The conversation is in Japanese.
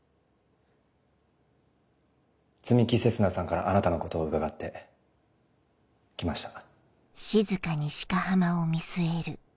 摘木星砂さんからあなたのことを伺って来ました。